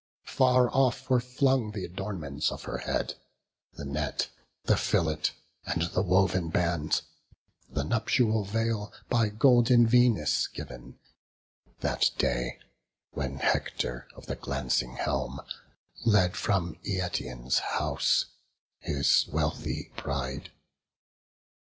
Far off were flung th' adornments of her head, The net, the fillet, and the woven bands; The nuptial veil by golden Venus giv'n, That day when Hector of the glancing helm Led from Eetion's house his wealthy bride.